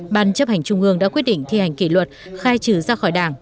ban chấp hành trung ương đã quyết định thi hành kỷ luật khai trừ ra khỏi đảng